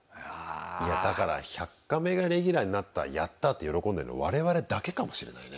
いやだから「１００カメ」がレギュラーになったやった！って喜んでるの我々だけかもしれないね。